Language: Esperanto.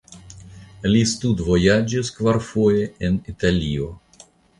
Li studvojaĝis kvarfoje en Italio.